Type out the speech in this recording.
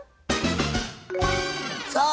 さあ